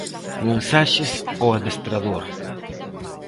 Mensaxes ao adestrador.